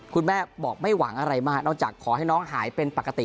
คุณแม่บอกไม่หวังอะไรมากนอกจากขอให้น้องหายเป็นปกติ